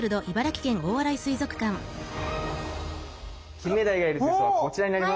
キンメダイがいる水槽はこちらになります。